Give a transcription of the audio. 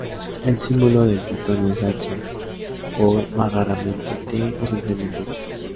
El símbolo del tritón es H, o más raramente, T o simplemente "t".